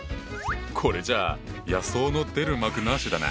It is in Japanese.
これじゃあ野草の出る幕なしだな。